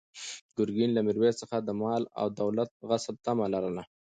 ګرګین له میرویس څخه د مال او دولت د غصب طمع لرله.